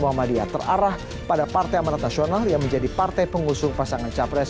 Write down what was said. muhammadiyah terarah pada partai amarat nasional yang menjadi partai pengusung pasangan capres